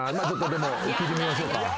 でも聞いてみましょうか。